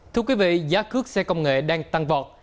thưa quý vị giá cước xe công nghệ đang tăng vọt